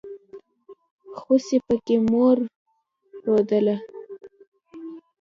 خوسي پکې مور رودله.